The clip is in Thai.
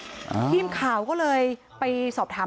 มันเข้าถึงเมื่อกายใจเลยนะครับ